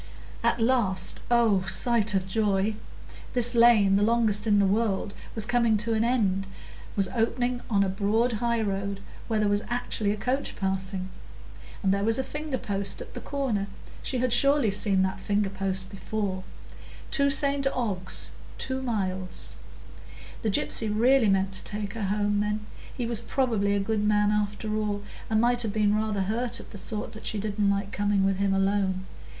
At last—oh, sight of joy!—this lane, the longest in the world, was coming to an end, was opening on a broad highroad, where there was actually a coach passing! And there was a finger post at the corner,—she had surely seen that finger post before,—"To St Ogg's, 2 miles." The gypsy really meant to take her home, then; he was probably a good man, after all, and might have been rather hurt at the thought that she didn't like coming with him alone.